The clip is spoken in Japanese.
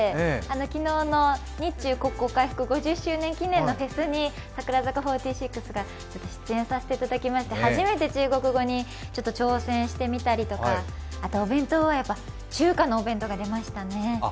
昨日の日中国交回復５０周年のステージに櫻坂４６が出演させていただきまして、初めて中国語に挑戦してみたりとか、あと、お弁当はやっぱり中華のお弁当が出ましたね。